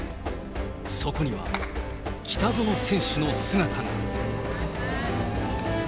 そこには、北園選手の姿が。